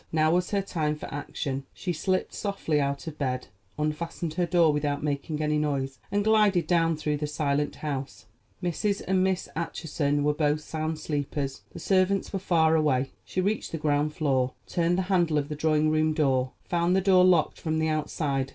Now was her time for action. She slipped softly out of bed, unfastened her door without making any noise, and glided down through the silent house. Mrs. and Miss Acheson were both sound sleepers; the servants were far away. She reached the ground floor, turned the handle of the drawing room door, found the door locked from the outside.